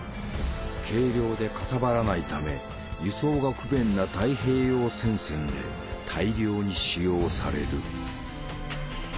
軽量でかさばらないため輸送が不便な太平洋戦線で大量に使用される。